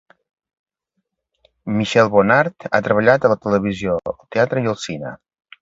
Michelle Bonnard ha treballat a la televisió, el teatre i el cine.